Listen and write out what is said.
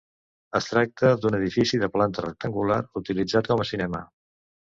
Es tracta d'un edifici de planta rectangular utilitzat com a cinema.